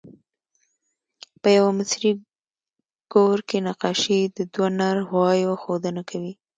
په یوه مصري ګور کې نقاشي د دوه نر غوایو ښودنه کوي.